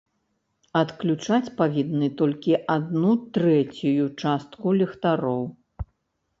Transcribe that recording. Адключаць павінны толькі адну трэцюю частку ліхтароў.